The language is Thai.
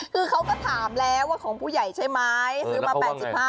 คือเขาก็ถามแล้วว่าของผู้ใหญ่ใช่ไหม